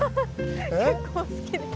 結構好きです。